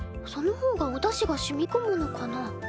その方がおだしがしみこむのかな。